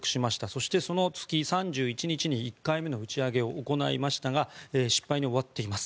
そして、その月、３１日に１回目の打ち上げを行いましたが失敗に終わっています。